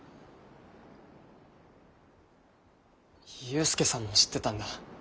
勇介さんも知ってたんだ。